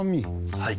はい。